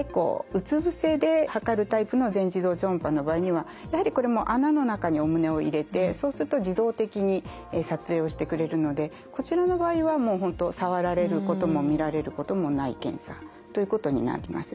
うつぶせではかるタイプの全自動超音波の場合にはやはりこれも穴の中にお胸を入れてそうすると自動的に撮影をしてくれるのでこちらの場合は本当触られることも見られることもない検査ということになります。